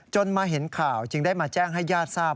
มาเห็นข่าวจึงได้มาแจ้งให้ญาติทราบ